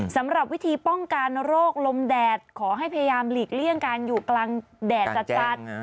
สำหรับวิธีป้องกันโรคลมแดดขอให้พยายามหลีกเลี่ยงการอยู่กลางแดดจัด